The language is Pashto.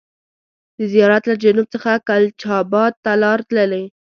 د زیارت له جنوب څخه کلچا بات ته لار تللې.